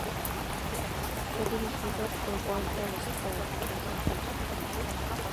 Fue dirigido por Walter Stern.